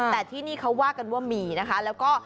แต่ที่นี่เขาว่ากันว่ามีนะคะแล้วก็